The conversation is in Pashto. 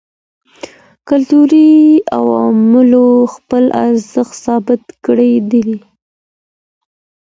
کلتوري عواملو خپل ارزښت ثابت کړی دی.